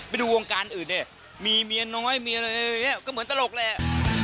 ไปดูวงการอื่นเนี่ยมีเมียน้อยเมียอะไรก็เหมือนตลกแหละ